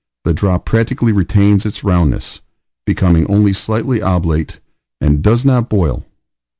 the drop practically retains its roundness becoming only slightly oblate and does not boil.